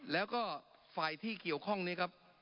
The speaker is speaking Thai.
แล้วก็ฝ่ายที่เกี่ยวข้องนี้ครับ